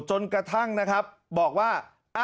จนกระทั่งนะครับบอกว่า